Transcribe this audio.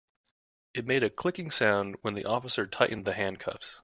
It made a clicking sound when the officer tightened the handcuffs.